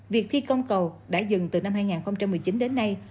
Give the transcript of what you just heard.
việc thi công cầu đã dừng từ năm hai nghìn một mươi chín đến nay